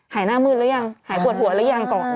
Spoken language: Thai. หน้ามืดหรือยังหายปวดหัวหรือยังก่อน